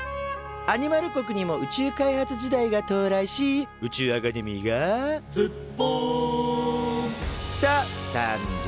アニマル国にも宇宙開発時代が到来し宇宙アカデミーが「ずっぽん」と誕生。